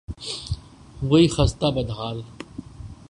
وہی خستہ، بد حال